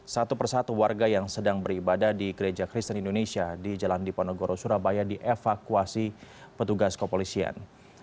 satu persatu warga yang sedang beribadah di gereja kristen indonesia di jalan diponegoro surabaya dievakuasi petugas kepolisian